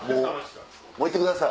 もう行ってください。